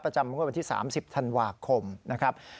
ประจำงวดวันที่๓๐ธันวาคมนะครับ